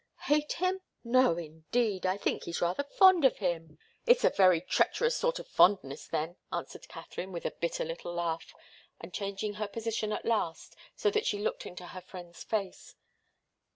"Hate him? No, indeed! I think he's rather fond of him " "It's a very treacherous sort of fondness, then," answered Katharine, with a bitter little laugh, and changing her position at last, so that she looked into her friend's face.